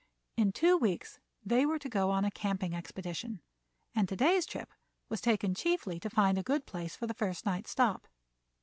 In two weeks they were to go on a camping expedition, and to day's trip was taken chiefly to find a good place for the first night's stop.